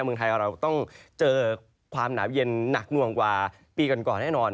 เมืองไทยเราต้องเจอความหนาวเย็นหนักหน่วงกว่าปีก่อนแน่นอน